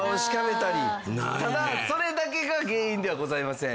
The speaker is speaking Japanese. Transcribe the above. ただそれだけが原因ではございません。